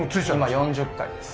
今４０階です。